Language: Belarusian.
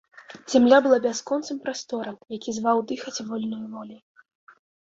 Зямля была бясконцым прасторам, які зваў дыхаць вольнаю воляй.